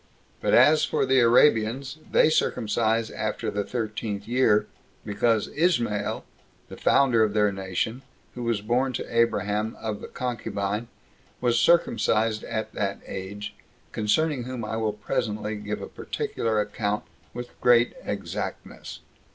But as for the Arabians, they circumcise after the thirteenth year, because Ismael, the founder of their nation, who was born to Abraham of the concubine, was circumcised at that age; concerning whom I will presently give a particular account, with great exactness.